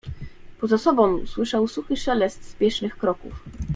"Poza sobą słyszał suchy szelest spiesznych kroków."